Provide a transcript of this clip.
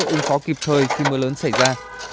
ứng phó kịp thời khi mưa lớn xảy ra